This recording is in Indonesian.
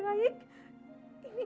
tak ada kenalan